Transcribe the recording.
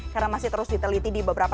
karena masih terus diteliti di beberapa